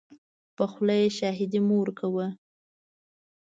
په خوله یې شاهدي مه ورکوه .